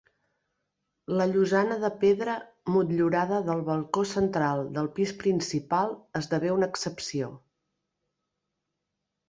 La llosana de pedra motllurada del balcó central del pis principal esdevé una excepció.